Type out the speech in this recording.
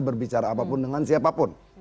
berbicara apapun dengan siapapun